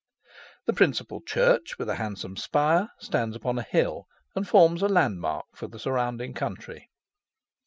The principal church, with a handsome spire, stands upon a hill, and forms a landmark to the surrounding country.